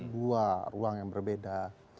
dua ruang yang berbeda